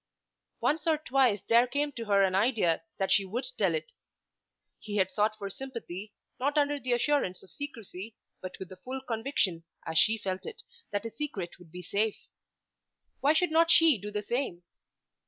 Once or twice there came to her an idea that she would tell it. He had sought for sympathy, not under the assurance of secrecy but with the full conviction, as she felt it, that his secret would be safe. Why should not she do the same?